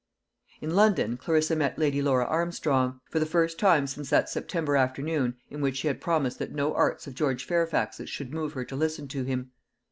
In London Clarissa met Lady Laura Armstrong; for the first time since that September afternoon in which she had promised that no arts of George Fairfax's should move her to listen to him.